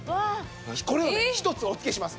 これをね一つお付けします。